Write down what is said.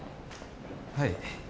はい。